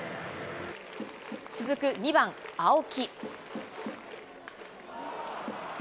続く２番青木。